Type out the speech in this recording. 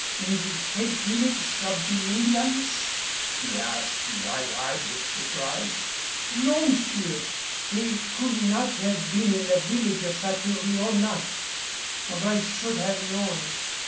"In the head village of the Indians?" he asked wide eyed with surprise. "No, monsieur! They could not have been in the village of Satouriona or I should have known."